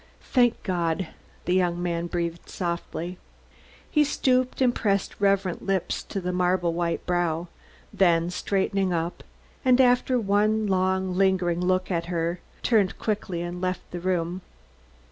"Thank God!" the young man breathed softly. He stooped and pressed reverent lips to the marble white brow, then straightened up and, after one long, lingering look at her, turned quickly and left the room.